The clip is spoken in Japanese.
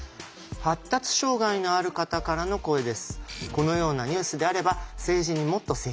発達障害のある方からの声です。